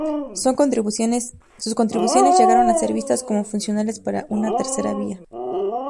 Sus contribuciones llegaron a ser vistas como fundacionales para una tercera vía.